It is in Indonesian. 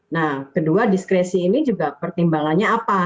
nah kedua diskresi ini juga pertimbangannya apa